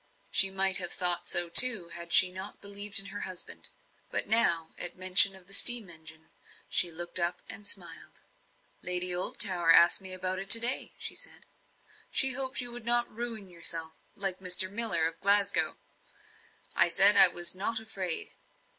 She might have thought so too, had she not believed in her husband. But now, at mention of the steam engine, she looked up and smiled. "Lady Oldtower asked me about it to day. She said, 'she hoped you would not ruin yourself, like Mr. Miller of Glasgow!' I said I was not afraid."